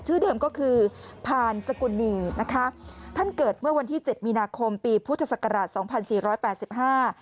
เดิมก็คือพานสกุลนีนะคะท่านเกิดเมื่อวันที่เจ็ดมีนาคมปีพุทธศักราชสองพันสี่ร้อยแปดสิบห้า